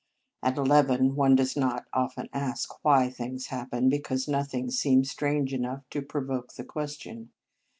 At eleven, one does not often ask why things happen, because nothing seems strange enough to pro voke the question.